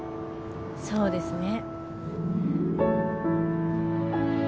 そうですね。